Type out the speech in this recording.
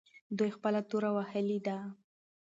دوی خپله توره وهلې ده.